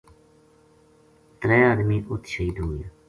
ترے آدمی اُت شہید ہوگیا